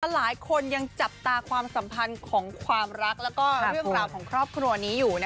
หลายคนยังจับตาความสัมพันธ์ของความรักแล้วก็เรื่องราวของครอบครัวนี้อยู่